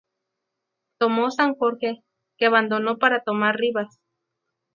Tomó San Jorge, que abandonó para tomar Rivas.